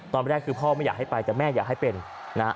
ตอนแรกคือพ่อไม่อยากให้ไปแต่แม่อยากให้เป็นนะฮะ